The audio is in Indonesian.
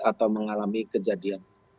atau mengalami kejadian